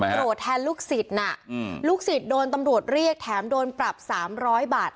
ไม่โปรดแทนลูกศิษย์น่ะอืมลูกศิษย์โดนตำรวจเรียกแถมโดนปรับสามร้อยบาท